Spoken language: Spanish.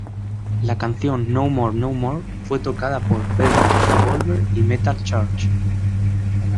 La canción "No More No More" fue tocada por Velvet Revolver y Metal Church.